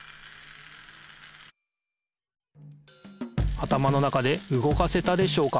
頭の中で動かせたでしょうか？